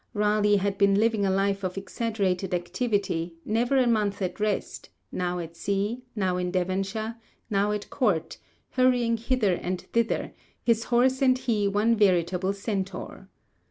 Raleigh had been living a life of exaggerated activity, never a month at rest, now at sea, now in Devonshire, now at Court, hurrying hither and thither, his horse and he one veritable centaur.